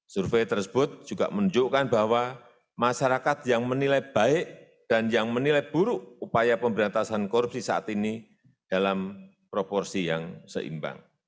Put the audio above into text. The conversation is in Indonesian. survei tersebut juga menunjukkan bahwa masyarakat yang menilai baik dan yang menilai buruk upaya pemberantasan korupsi saat ini dalam proporsi yang seimbang